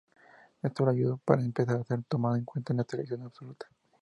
Esto lo ayudó para empezar a ser tomado en cuenta con la Selección Absoluta.